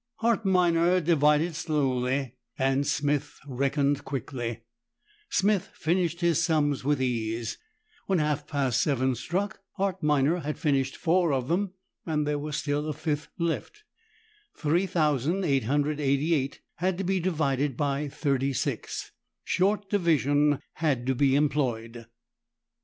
Hart Minor divided slowly, and Smith reckoned quickly. Smith finished his sums with ease. When half past seven struck, Hart Minor had finished four of them and there was still a fifth left: 3888 had to be divided by 36; short division had to be employed.